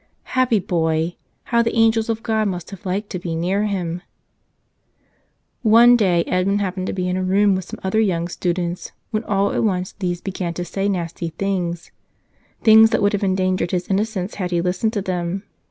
Happy boy! how the angels of God must have liked to be near him ! One day Edmund happened to be in a room with some other young students, when all at once these began to say nasty things, things that would have endangered his innocence had he listened to them.